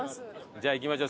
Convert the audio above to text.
じゃあ行きましょう。